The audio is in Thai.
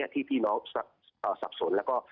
ที่พี่น้องสับสนแล้วก็